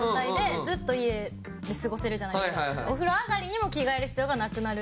お風呂上がりにも着替える必要がなくなる。